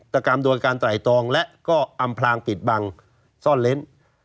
กรรมโดยการไตรตองและก็อำพลางปิดบังซ่อนเล้น